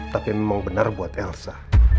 tapi memang benar buat elsa